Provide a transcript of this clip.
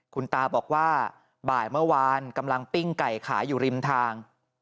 คุณตาบอกว่าบ่ายเมื่อวานกำลังปิ้งไก่ขายอยู่ริมทาง